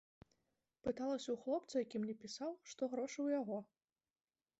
Пыталася ў хлопца, які мне пісаў, што грошы ў яго.